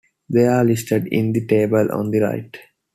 They are listed in the table on the right.